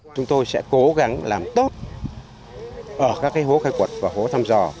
chúng tôi sẽ cố gắng làm tốt ở các hố khai quật và hố thăm dò